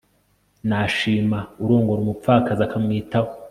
nashima urongora umupfakazi, akamwitaho